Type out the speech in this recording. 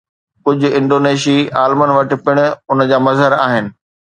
ڪجهه انڊونيشي عالمن وٽ پڻ ان جا مظهر آهن.